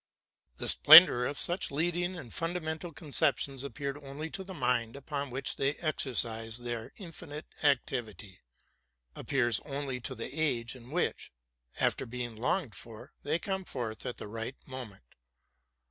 The splendor of such leading and fundamental cone ep tions appears only to the mind upon which they exercise their infinite activity, — appears only to the age in which, after being longed for, they come forth at the right moment.